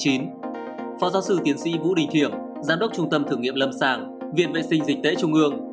phó giáo sư tiến sĩ vũ đình thiểm giám đốc trung tâm thử nghiệm lâm sàng viện vệ sinh dịch tễ trung ương